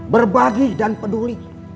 berbagi dan peduli